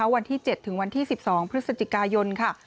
วันที่๗ถึงวันที่๑๒พฤศจิกายนค่ะ